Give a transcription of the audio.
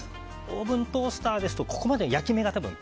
オーブントースターですとここまで焼き目が。